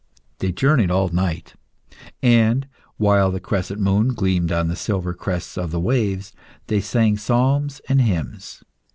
They journeyed all night, and, while the crescent moon gleamed on the silver crests of the waves, they sang psalms and hymns.